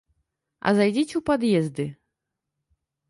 А зайдзіце ў пад'езды.